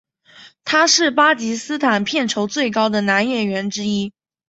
他是巴基斯坦片酬最高的男演员之一。